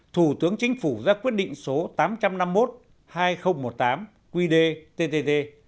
thủ tướng chính phủ ra quyết định số tám trăm năm mươi một hai nghìn một mươi tám qd ttt